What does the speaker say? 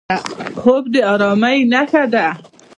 خوب د ارامۍ نښه ده